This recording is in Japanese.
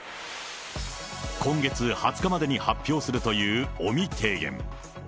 今月２０日までに発表するという尾身提言。